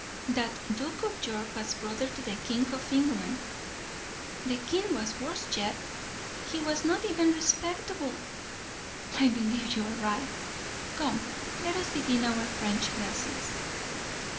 "That Duke of York was brother to the King of England." "The King was worse yet! He was not even respectable." "I believe you are right. Come let us begin our French lessons."